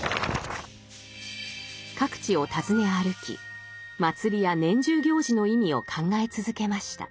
各地を訪ね歩き祭りや年中行事の意味を考え続けました。